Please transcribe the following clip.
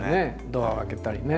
ドアを開けたりね。